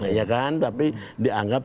iya kan tapi dianggap